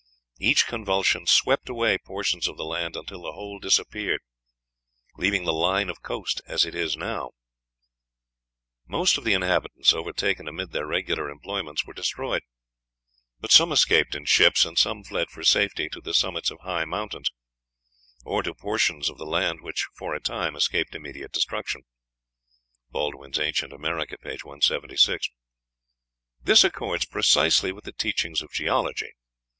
Each convulsion swept away portions of the land until the whole disappeared, leaving the line of coast as it now is. Most of the inhabitants, overtaken amid their regular employments, were destroyed; but some escaped in ships, and some fled for safety to the summits of high mountains, or to portions of the land which for a time escaped immediate destruction." (Baldwin's "Ancient America," p. 176.) This accords precisely with the teachings of geology.